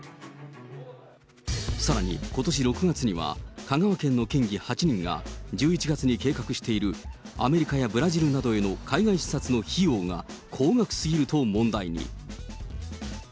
さらに、ことし６月には、香川県の県議８人が、１１月に計画しているアメリカやブラジルなどへの海外視察の費用が高額すぎると問題に。